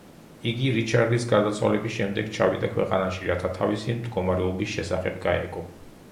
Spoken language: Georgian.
იგი რიჩარდის გარდაცვალების შემდეგ ჩავიდა ქვეყანაში, რათა თავისი მდგომარეობის შესახებ გაეგო.